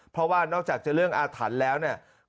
เพราะว่านอกจากจะเรื่องอาถรรพ์แล้วเนี่ย